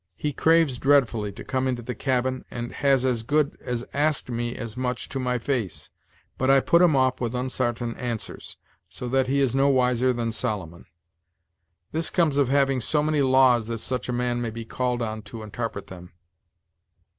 "He craves dreadfully to come into the cabin, and has as good as asked me as much to my face; but I put him off with unsartain answers, so that he is no wiser than Solo mon. This comes of having so many laws that such a man may be called on to intarpret them."